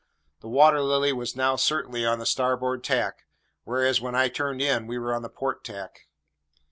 The Water Lily was now certainly on the starboard tack; whereas, when I turned in, we were on the port tack.